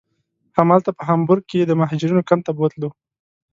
همالته په هامبورګ کې یې د مهاجرینو کمپ ته بوتلو.